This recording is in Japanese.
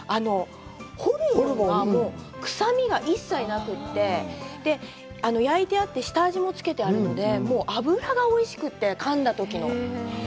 ホルモンの臭みが一切なくて、焼いてあって下味もつけてあるので脂がおいしくて、かんだときの。